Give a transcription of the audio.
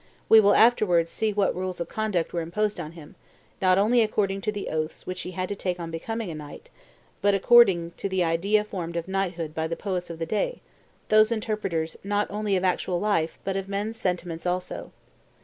We will afterwards see what rules of conduct were imposed upon him, not only according to the oaths which he had to take on becoming knight, but according to the idea formed of knighthood by the poets of the day, those interpreters not only of actual life, but of men's sentiments also.